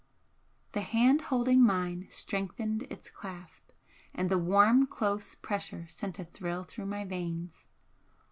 The hand holding mine strengthened its clasp, and the warm, close pressure sent a thrill through my veins.